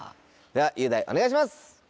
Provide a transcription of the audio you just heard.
では雄大お願いします！